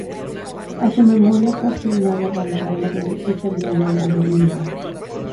A su memoria fue asignada la medalla de oro italiana al valor militar.